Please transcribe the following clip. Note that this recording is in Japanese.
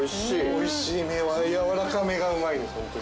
おいしい麺は軟らかめがうまいんですホントに。